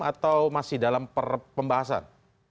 atau masih dalam pembahasan